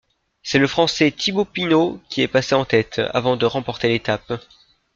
C'est le Français Thibaut Pinot qui est passé en tête, avant de remporter l'étape.